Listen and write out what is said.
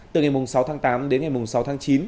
từ ngày sáu tháng tám đến ngày sáu tháng chín